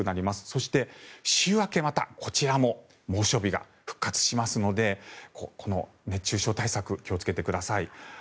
そして、週明け、またこちらも猛暑日が復活しますので熱中症対策を気をつけてください。